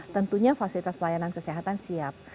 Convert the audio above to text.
tentunya fasilitas pelayanan kesehatan siap